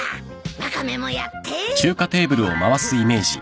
ワカメもやって。